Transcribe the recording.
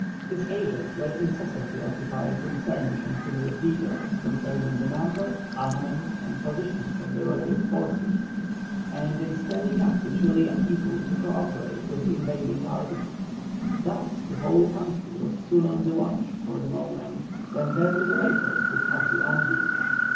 His agents were incessantly occupied in furnishing him with details concerning the number, armament, and positions of the Royalist forces, and in stirring up the Chilian people to co operate with the invading army. Thus the whole country was soon on the watch for the moment when their liberators would pass the Andes.